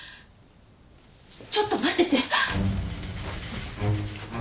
ちょっと待ってて。